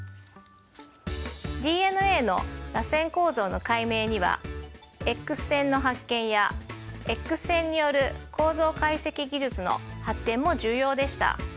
ＤＮＡのらせん構造の解明にはＸ線の発見やＸ線による構造解析技術の発展も重要でした。